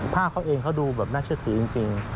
ภาพเขาเองเขาดูแบบน่าเชื่อถือจริง